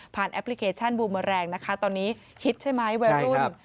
ผ่านแอปพลิเคชันบุมแรงนะคะตอนนี้ฮิตใช่ไหมวัยรุ่น